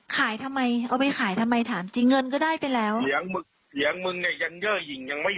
คุณชื่อสุธิน